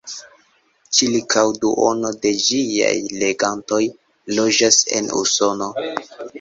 Ĉirkaŭ duono de ĝiaj legantoj loĝas en Usono.